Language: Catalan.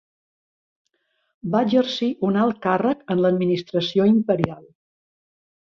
Va exercir un alt càrrec en l'administració imperial.